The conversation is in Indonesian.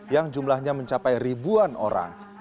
yang jumlahnya mencapai ribuan orang